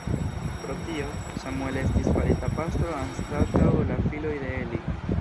Pro tio, Samuel estis farita pastro anstataŭ la filoj de Eli.